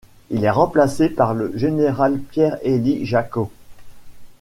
Il est remplacé par le général Pierre-Élie Jacquot.